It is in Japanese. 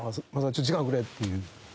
ちょっと時間をくれ」っていう風に。